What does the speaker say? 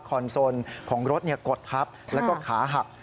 โซนของรถกดทับแล้วก็ขาหัก